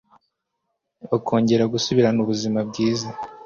bakongera gusubirana ubuzima bwiza,